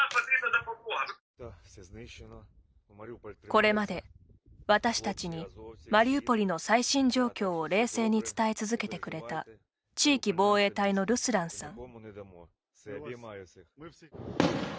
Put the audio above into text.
これまで、私たちにマリウポリの最新状況を冷静に伝え続けてくれた地域防衛隊のルスランさん。